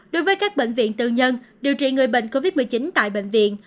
đối với các bệnh viện tư nhân điều trị người bệnh covid một mươi chín tại bệnh viện